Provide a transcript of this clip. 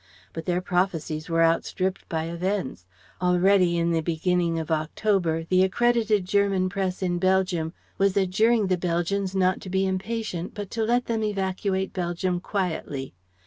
But their prophecies were outstripped by events. Already, in the beginning of October, the accredited German Press in Belgium was adjuring the Belgians not to be impatient, but to let them evacuate Belgium quietly.